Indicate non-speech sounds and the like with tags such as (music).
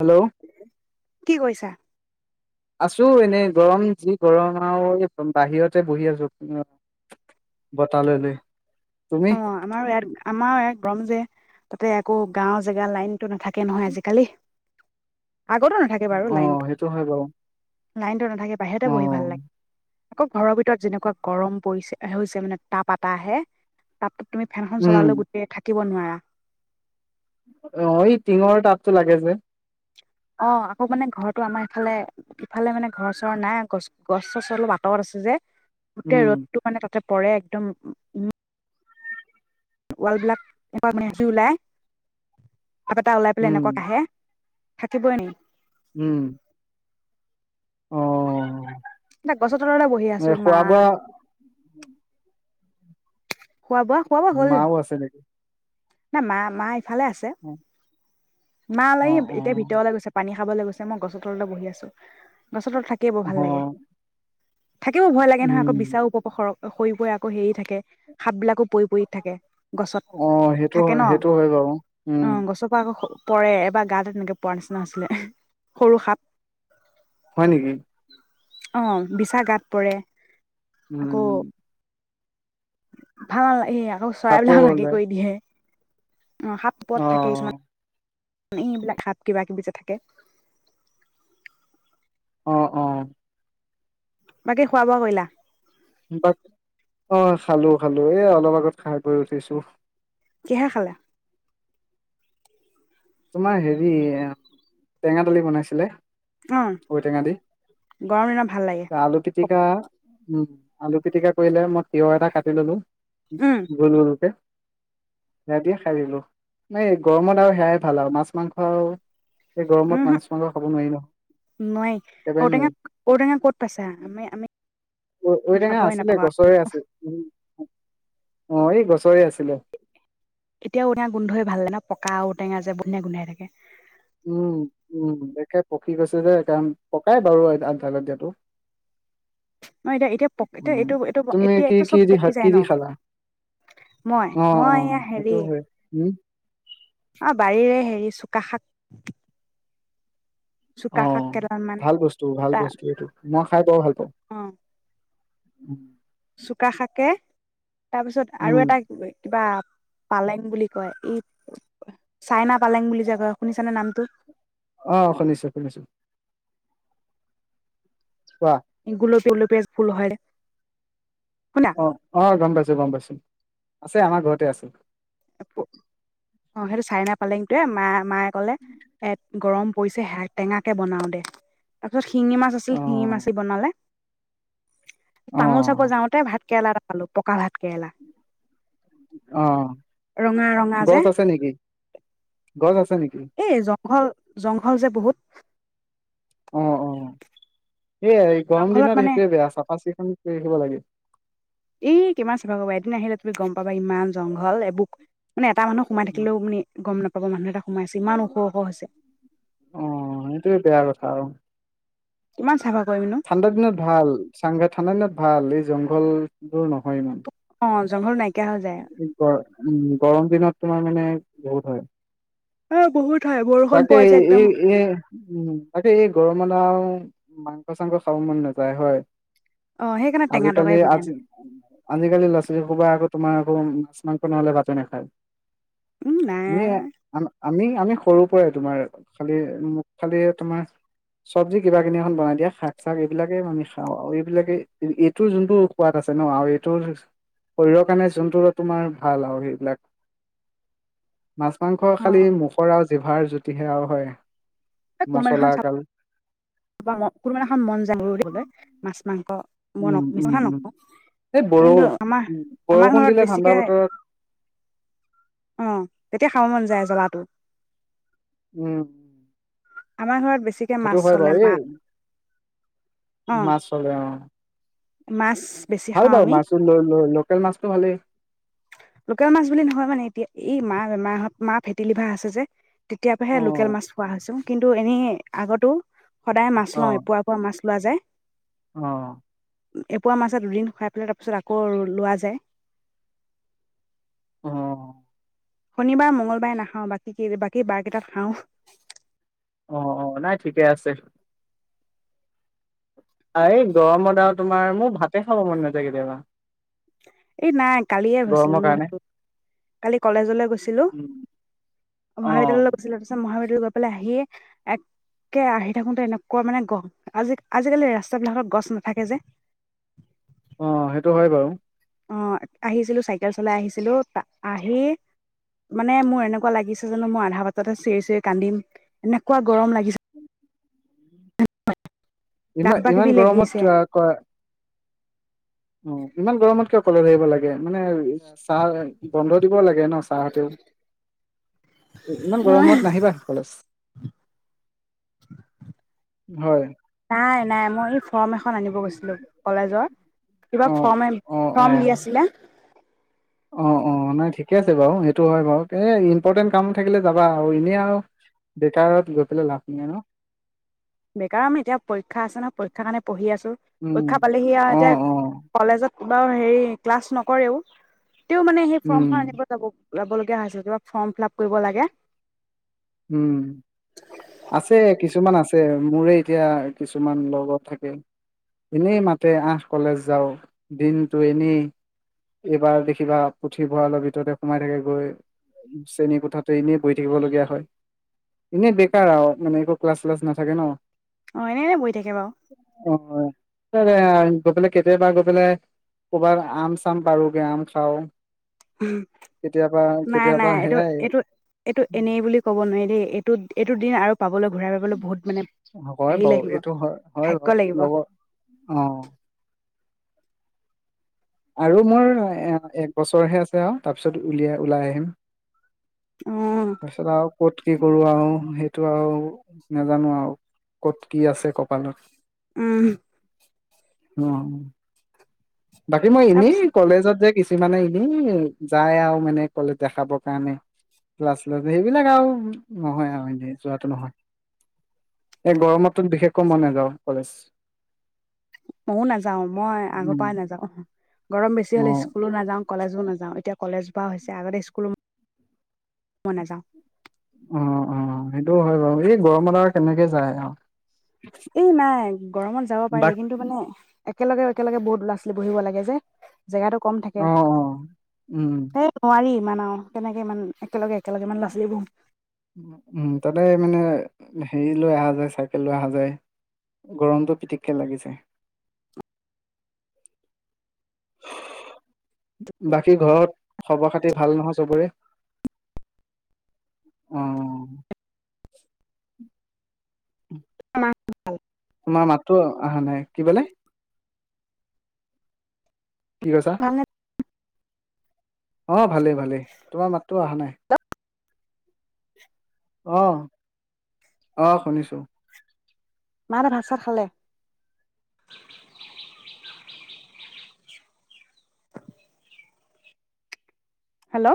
Hello কি কৈছা? আছোঁ এনেই গৰম যি গৰম আৰু এই বাহিৰতে বহি আছোঁ বতাহ লৈ লৈ। তুমি অ আমাৰো ইয়াত আমাৰ ইয়াত গৰম যে। তাতে আকৌ গাওঁ জেগা লাইন। লাইনটো নাথাকে নহয় আজিকালি। আগতো নাথাকে বাৰু অ লাইনটো। সেইটো হয় বাৰু লাইনটো নাথাকে। নাথাকে বাহিৰতে অ বহি ভাল লাগে। আকৌ ঘৰৰ ভিতৰত যেনেকুৱা গৰম পৰিছে হৈছে মানে তাপ এটা আহে। তাপটো। তুমি ফেনখন উম চলালেও গোটেই। থাকিব নোৱাৰা। অ এই টিঙৰ তাপটো লাগে যে। অ আকৌ মানে ঘৰটো আমাৰ ইফালে ইফালে মানে ঘৰ চৰ নাই গছ, গছ-চছ অলপ আঁতৰত আছে যে। গোটেই উম ৰ'দটো মানে। পৰে একদম উম। ৱালবিলাক মানে মাজেৰে ওলাই। কাপ এটা ওলাই পেলাই উম এনেকুৱা কাহে। থাকিবই নেকি। উম অ। এ গছৰ তলতে বহি এ আছোঁ মা। খোৱা বোৱা খোৱা-বোৱা খোৱা-বোৱা হ'ল। মাও আছে নেকি নাই মা মা। ভালে আছে। অ মা অ অলপ এতিয়া ভিতৰলৈ গৈছে পানী খাব। খাবলৈ গৈছে মই গছৰ তলতে বহি আছোঁ। গছৰ তলত থাকিয়েই বোৰ ভাল অ লাগে। থাকিব ভয় লাগে নহয় উম আকৌ বিছা উপপখৰত। সৰি পৰে আকৌ হেৰি থাকে সাপবিলাকো। পৰি পৰি থাকে গছত অ সেইটো থাকে নহ সেইটো হয় বাৰু উম অ গছৰ পৰা আকৌ সৰি। পৰে এবাৰ গাতে তেনেকে পৰাৰ নিচিনা হৈছিলে, সৰু সাপ। হয় নেকি? অঁ বিছা গাত পৰে। আকৌ উমম। ভাল এইয়া। আকৌ সাপো চৰাইবিলাক হাগি ওলাই কৰি দিয়ে। অ', সাপ ওপৰত থাকে কিছুমান। এইবিলাক সাপ কিবা কিবি যে থাকে। অ', অ'। বাকী খোৱা বোৱা কৰিলা? (unintelligible) অ', খালো-খালো। এ, অলপ আগত খাই বৈ উঠিছো। কিহে খালা? তোমাৰ হেৰি আ টেঙা দালি বনাইছিলে। অ', ঔটেঙা দি গৰম দিনত ভাল লাগে। (unintelligible) উম, আলু পিতিকা কৰিলে ম তিয়হ এটা কাটি ললো, উম গোল-গোলকে। সেয়া দিয়ে খাই দিলো। নাই, গৰমত আৰু সেয়াই ভাল আও, মাছ মাংস আৰু এই গৰমত উমহু মাছ মাংস খাব নোৱাৰি ন। নোৱাৰি একেবাৰে ঔটেঙা নোৱাৰি। ঔটেঙা ক'ত পাইছা আমি আমি ঔ-ঔটেঙা খাবই আছিলে নাপাওঁ গছৰে আছিল। অ', এই গছৰে আছে। এতিয়া ঔটেঙা গোন্ধই ভাল ন'। পকা ঔটেঙা যে ধুনিয়া গোন্ধাই থাকে। উম, উম। একে পকি গৈছে যে কাৰণ পকাই বাৰু (unintelligible) দিয়টো। ন এতিয়া (unintelligible) তুমি এতিয়া কি এইটো কি চব দি পকি কি যায় ন। দি খালা অ অ মই-মই এয়া হেৰি, সেইটো হয় উম অ' বাৰীৰে হে (unintelligible) অ', তা ভালবস্তু-ভালবস্তু এইটো, মই খাই বৰ ভাল পাওঁ। (inaudible) চুকাশাকে। তাৰ পিছত আৰু উম এটা (unintelligible) কিবা, পালেং বুলি কয়। ই, চাইনা পালেং বুলি যে কয় শুনিছানে নামটো?। অ', শুনিছো-শুনিছো। কোৱা। গুলপী (unintelligible) গুলপীয়া যে ফুল হয়। অ, শুনা অ', গমপাইছো-গমপাইছো। আছে আমাৰ ঘৰতে আছো। অ', সেইটো চাই নাপালেং তোৱে মা মায়ে কলে, এ গৰম পৰিছে শাক টেঙাকে বনাও দে। তাৰপিছত শিঙি মাছ আছিল অ শিঙি মাছেই বনালে। অ তামোল চাবৰ যাওঁতে ভাত কেৰেলা এটা পালো, পকা ভাত কেৰেলা। অ। ৰঙা ৰঙা যে গছ আছে নেকি? গছ আছে নেকি? এই জংঘল জংঘল যে বহুত। অ, অ (inaudible) এই এই গৰম জংঘলত দিনত মানে সেইটোয়ে বেয়া চাফা চিকুন কৰি আহিব লাগে। এই কিমান চাফা কৰিবা এদিন আহিলে তুমি গম পাবা ইমান জংঘল এবুকু। এটা মানুহ সোমাই থাকিলেও মানে গম নাপায়। হ'ব মানুহ এটা (inaudible) ওখ ওখ হৈছে (inaudible) অ এইটোৱে বেয়া কথা। কিমান চাফা (inaudible) ঠাণ্ডা দিনত ভাল, ঠাণ্ডা দিনত ভাল এই জংঘল (inaudible) এইটোৰনহয় ইমান। অজংঘল নাই (inaudible) ইপ (unintelligible) উম গৰম দিনত তোমাৰ মানে বহুত হয় অ বহুত (inaudible) তাকে পোৱা যে একদম এই এইতাকে এই গৰমত আৰু। মাংস চাংস খাব মন নাযায় হয় অ' সেইকাৰণে টেঙা আজিকালি তৰকাৰী আজি বনালে আজিকালি ল'ৰা ছোৱালী হোপা তোমাৰ আকৌ মাছ-মাংস নহ'লে ভাতে নাখায়। উম নাই আমিয়ে আমি আমি সৰু পৰে তোমাৰ খালি মোক খালি তোমাৰ চব্জি কিবা কিনি এখন বনাই দিয়া। শাক চাক এইবিলাকে আমি খাও আৰু। এইবিলাকে এইটোৰ যোনটো সোৱাদ আছে ন আৰু এইটোৰ শৰীৰৰ কাৰণে যোনটো তোমাৰ ভাল আৰু সেইবিলাক মাছ-মাংস খালি অ' মুখৰ ৰাজ জিভাৰ জুতিহে আও হয়। মচলা এগাল ম কোনোবানা। খন মন যায় মাছ মাংস মই উম নকওঁ উম মিচাঁ উম এই বৰষুণ কিন্তু আমাৰ উম, আমাৰ বৰষুণ ঘৰত দিলে ঠাণ্ডা বেছিকে বতৰত অ তেতিয়া মন যায় জ্বলাতো উম। আমাৰ ঘৰত বেছিকে মাছ সেইটো হয় চলে বাৰু এই মা মাছ চলে অ। মাছ বেছি ভাল খাওঁ বাৰু, আমি মাছ! লোকেল মাছটো ভালেই। লোকেল মাছ বুলি নহয় মানে, এতিয়া! এই মা বেমাৰত, মা ফেটিলিভাৰ আছে যে, তেতিয়া অ', পৰাহে লোকেল মাছ খোৱা হৈছোঁ। কিন্তু, এনেই আগতো সদায় মাছ লওঁ, অ', এপোৱা, এপোৱা মাছ খোৱা যায়। অ! এপোৱা মাছত দুদিন খুৱাই পেলাই, তাৰ পিছত আকৌ লোৱা যায়। অ! ! শনিবাৰ মংগলবাৰে নাখাও, বাকী, বাকী বাৰ কেইটাত খাও। অঁ-অ, নাই ঠিকে আছে। এই গৰমত আৰু তোমাৰ, মোৰ ভাতে খাব মন নাযায় কেতিয়াবা। এই নাই কালিয়ে গৈছিলো, গৰমৰ মোৰ কাৰণে। সেইটো কালি কলেজলৈ গৈছিলো, মহাবিদ্যালয়লৈ অ', গৈছিলো, তাৰপিছত মহাবিদ গলোঁ গৈ পেলাই আহিয় একে আহি থাকোতে এনেকুৱা মানে গৰম, আজি, আজিকালি ৰাস্তা বিলাকত গছ নাথাকে যে, অ! সেইটো হয় বাৰু! অ! আহিছিলো চাইকেল চলাই আহিছিলো, তা আহি মানে মোৰ এনেকুৱা লাগিছে, জানো মই আধা বাটতে চিঞৰি চিঞৰি কান্দিম এনেকুৱা গৰম লাগিছে, গাত ইমান, কিবা কিবি ইমান লাগিছে গৰমত ক অ! ইমান গৰমত কিয় কলেজ আহিব লাগে? মানে চাৰ, বন্ধ দিব লাগে ন চাৰ হতেওঁ, ইমান গৰমত নাহিবা কলেজ। হয়! নাই নাই, মই ফৰ্ম এখন আনিব গৈছিলোঁ কলেজৰ, কিবা অ ফৰ্ম, ফৰ্ম দি আছিলে। অঁ-অঁ, নাই ঠিকে আছে বাৰু সেইটো হয় বাৰু, এই ইম্পৰ্টেণ্ট কাম থাকিলে যাবা আৰু এনেই আৰু বেকাৰত গৈ পেলাই লাভ নাই ন! বেকাৰ মানে, এতিয়া পৰীক্ষা আছে ন পৰীক্ষাৰ কাৰণে পঢ়ি আছো। উম পৰীক্ষা পালেহি, আৰু অ অ এতিয়া কলেজত বাৰু, হেৰি ক্লাছ নকৰেও তেও মানে সেই ফৰ্ম উম খন আনিব যাব ওলাবলগীয়া হৈছিল, কিবা ফৰ্ম ফিলআপ কৰিব লাগে। উম! আছে, কিছুমান আছে মোৰে এতিয়া কিছুমান লগত থাকে, এনেই মাতে আহ কলেজ যাও দিনতটো এনেই এইবাৰ দেখিবা পুথিভঁৰালৰ ভিতৰতে সোমাই থাকে গৈ, চেনী কোঠাতে এনেই বহি থাকিবলগীয়া হয়। এনেই বেকাৰ আৰু মানে, একো ক্লাছ- শ্লাছ নাথাকে ন! অঁ! এনে, এনে বহি থাকে বাৰু। অ গৈ পেলাই, কেতিয়াবা গৈ পেলাই কৰবাত আম চাম পাৰোগে, আম খাও। নাই, কেতিয়াবা নাই এইটো, সেয়াই এইটো, এইটো এনেই বুলি কব কব নোৱাৰি দে, এইটো দিন আৰু পাবলৈ ঘূৰাই পাবলৈ বহুত মানে হয় হেৰি বাৰু লাগিব এইটো হয়, হয় ভাগ্য বাৰু লাগিব লগৰ অ', আৰু মোৰ এক বছৰহে আছে আৰু তাৰপিছত উলিয়াই, ওলাই আহিম। অ উম তাৰপিছত আৰু ক'ত কি কৰো আৰু, সেইটো আৰু নাজানো আৰু। ক'ত কি আছে কপালত। অ'। বাকী মই এনেই, তাৰপিছত কলেজত যে কি মানে এনেই যায় আৰু মানে কলেজ দেখাবৰ কাৰণে, ক্লাছ, শ্লাস সেইবিলাক আৰু নহয় আৰু এনেই যোৱাটো নহয়। এই গৰমতটো বিশেষকৈ মই নাযাওঁ কলেজ। মইও নাযাও, মই আগৰ উম পৰাই নাযাও। গৰম বেছি হলে অ স্কুলো নাযাও, কলেজো নাযাও। এতিয়া কলেজ বাও হৈছে, আগতে স্কুলো মই নাযাওঁ। অ', অ', সেইটোও হয় বাৰু, এই গৰমত আৰু কেনেকে যায় আৰু। এই নাই, গৰমত যাব পাৰি বাক কিন্তু মানে একেলগে, একেলগে বহুত ল'ৰা ছোৱালী বহিব লাগে যে জেগাটো কম থাকে, অ অ উম এই নোৱাৰি ইমান আৰু, তেনেকে ইমান একেলগে একেলগে ইমান ল'ৰা ছোৱালীবোৰ উম! তাতে মানে হেৰি লৈ অহা যায়, চাইকেল লৈ অহা যায় গৰমটো পিটিককে লাগি যায়। বাকী ঘৰত খবৰ -খাতি ভাল নহয় চবৰে? মা হঁতৰ ভাল। তোমাৰ মাতটো অহা নাই, কি বোলে? কি কৈছা? ভালনে অ! ভালেই, ভালেই তোমাৰ মাতটো অহা নাই। (inaudible) অ! অ! শুনিছো। মা হতে ভাত- চাত খালে? হেল্ল'!